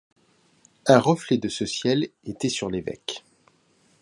Un reflet de ce ciel était sur l'évêque.